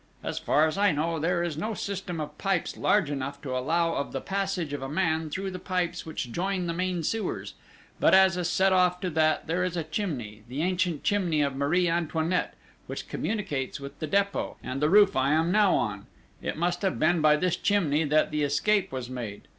As far as I know, there is no system of pipes large enough to allow of the passage of a man through the pipes which join the main sewers; but, as a set off to that, there is a chimney the ancient chimney of Marie Antoinette which communicates with the Dépôt, and the roof I am now on: it must have been by this chimney that the escape was made!